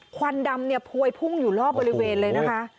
ควันดำเนี่ยพวยพุ่งอยู่รอบบริเวณเลยนะคะ